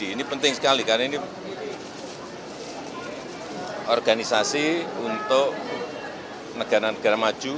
ini penting sekali karena ini organisasi untuk negara negara maju